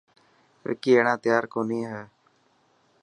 وڪي هيڻان تيار ڪوني هي.